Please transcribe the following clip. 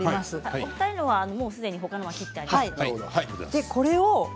お二人の分のほかの２つは切ってあります。